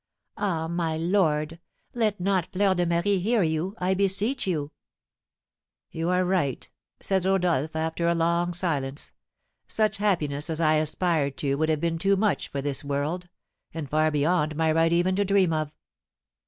Ah, my lord, let not Fleur de Marie hear you, I beseech you!" "You are right," said Rodolph, after a long silence, "such happiness as I aspired to would have been too much for this world, and far beyond my right even to dream of.